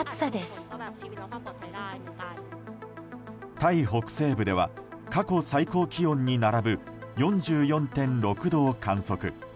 タイ北西部では過去最高気温に並ぶ４４．６度を観測。